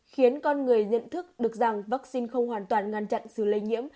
khiến con người nhận thức được rằng vaccine không hoàn toàn ngăn chặn sự lây nhiễm